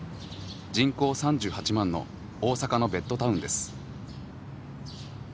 人口３８万の大阪のベッドタウンです。